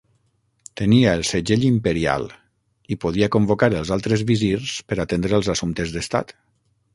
Tenia el segell imperial i podia convocar els altres visirs per atendre els assumptes d’estat.